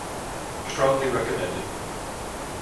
Strongly recommended.